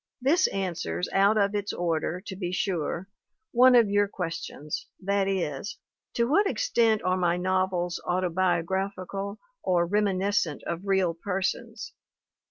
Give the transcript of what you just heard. This answers, out of its order, to be sure, one of your questions, that is : to what extent are my novels autobiographical or reminiscent of real persons?